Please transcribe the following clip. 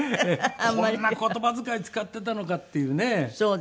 こんな言葉遣い使っていたのかっていうね。